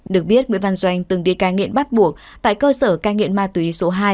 được biết nguyễn văn doanh từng đi cai nghiện bắt buộc tại cơ sở cai nghiện ma túy số hai